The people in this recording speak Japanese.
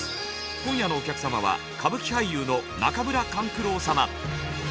今夜のお客様は歌舞伎俳優の中村勘九郎様。